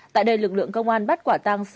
tại đây lực lượng công an bắt quả tăng